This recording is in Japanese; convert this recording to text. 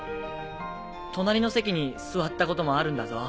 隣の席に座ったこともあるんだぞ。